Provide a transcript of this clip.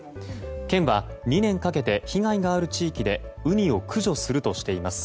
県は２年かけて被害がある地域でウニを駆除するとしています。